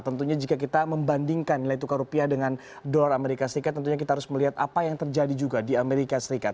tentunya jika kita membandingkan nilai tukar rupiah dengan dolar amerika serikat tentunya kita harus melihat apa yang terjadi juga di amerika serikat